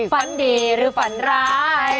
ฝันดีหรือฝันร้าย